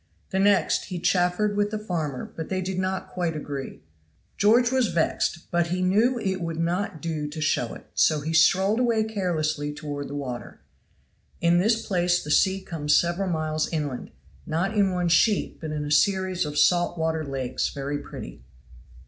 The next he chaffered with the farmer, but they did not quite agree. George was vexed, but he knew it would not do to show it, so he strolled away carelessly toward the water. In this place the sea comes several miles inland, not in one sheet, but in a series of salt water lakes very pretty.